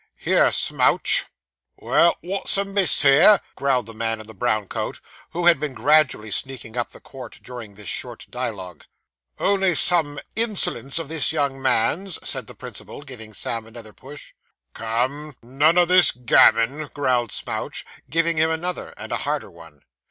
'Here, Smouch!' 'Well, wot's amiss here?' growled the man in the brown coat, who had been gradually sneaking up the court during this short dialogue. 'Only some insolence of this young man's,' said the principal, giving Sam another push. 'Come, none o' this gammon,' growled Smouch, giving him another, and a harder one.